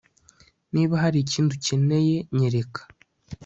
Niba hari ikindi ukeneye nyereka